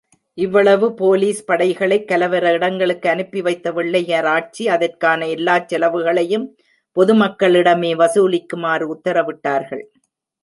இவ்வளவு போலீஸ் படைகளைக் கலவர இடங்களுக்கு அனுப்பி வைத்த வெள்ளையராட்சி, அதற்கான எல்லா செலவுகளையும் பொதுமக்களிடமே வசூலிக்குமாறு உத்தரவிட்டார்கள்.